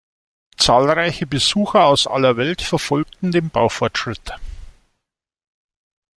Zahlreiche Besucher aus aller Welt verfolgten den Baufortschritt.